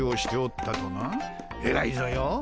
えらいぞよ。